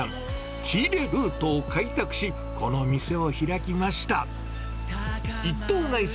仕入れルートを開拓し、この店を開きました。